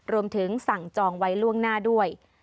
รวมถึงสั่งจองไว้ล่วงหน้าด้วย